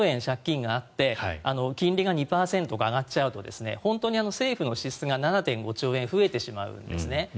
借金があって金利が２％上がっちゃうと本当に政府の支出が７．５兆円増えてしまうんですね。